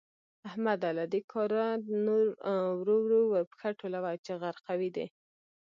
احمده؛ له دې کاره نور ورو ورو پښه ټولوه چې غرقوي دي.